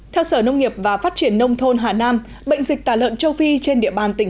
theo sở nông nghiệp và phát triển nông thôn hà nam bệnh dịch tả lợn châu phi trên địa bàn tỉnh